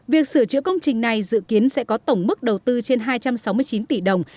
việc sửa chữa công trình này dự kiến sẽ có tổng mức đầu tư trên hai trăm sáu mươi chín tỷ đồng